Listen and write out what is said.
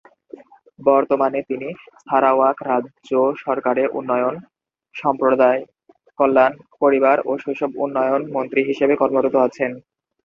বর্তমানে তিনি সারাওয়াক রাজ্য সরকারে উন্নয়ন, সম্প্রদায় কল্যাণ, পরিবার ও শৈশব উন্নয়ন মন্ত্রী হিসেবে কর্মরত আছেন।